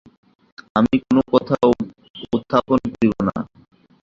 আমি কোন কথা উত্থাপন করিব না।